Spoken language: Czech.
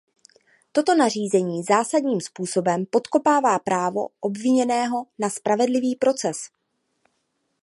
Toto nařízení zásadním způsobem podkopává právo obviněného na spravedlivý proces.